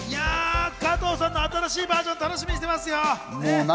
加藤さんの新しいバージョン、楽しみにしてますよ。